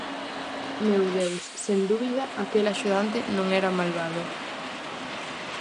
Meu Deus, sen dúbida aquel axudante non era malvado.